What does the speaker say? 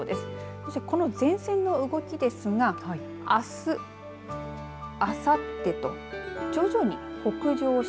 そして、この前線の動きですがあす、あさってと徐々に北上し